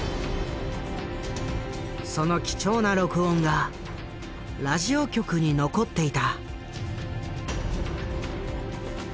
その貴重な録音がラジオ局に残っていた。